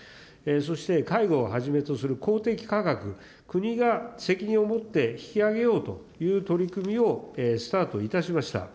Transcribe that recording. そして介護をはじめとする公的価格、国が責任を持って引き上げようという取り組みをスタートいたしました。